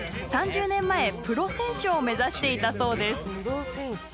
３０前、プロ選手を目指していたそうです。